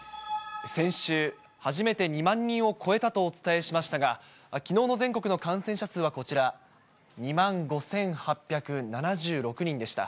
先週、初めて２万人を超えたとお伝えしましたが、きのうの全国の感染者数はこちら、２万５８７６人でした。